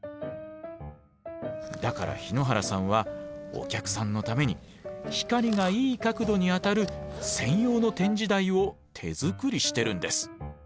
だから日野原さんはお客さんのために光がいい角度に当たる専用の展示台を手作りしてるんです。